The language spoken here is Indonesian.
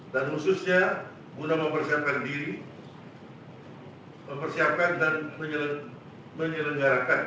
dan khususnya guna mempersiapkan diri mempersiapkan dan menyelenggarakan